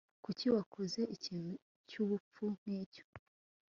Kuki wakoze ikintu cyubupfu nkicyo